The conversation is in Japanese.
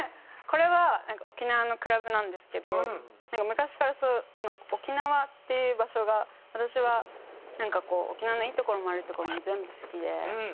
これは沖縄のクラブなんですけどなんか昔から沖縄っていう場所が私はなんかこう沖縄のいいところも悪いところも全部好きで。